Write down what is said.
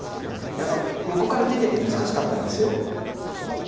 いや横から出てて難しかったんです。